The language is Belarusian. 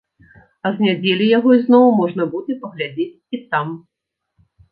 А з нядзелі яго ізноў можна будзе паглядзець і там.